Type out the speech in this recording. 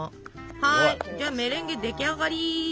はいメレンゲ出来上がり。